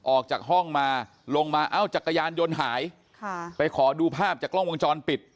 ออกจากห้องมาลงมาเอ้าจักรยานยนต์หายค่ะไปขอดูภาพจากกล้องวงจรปิด